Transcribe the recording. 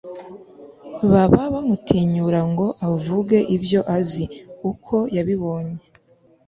baba bamutinyura ngo avuge ibyo azi, uko yabibonye